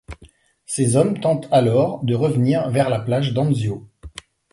Ces hommes tentent alors de revenir vers la plage d’Anzio.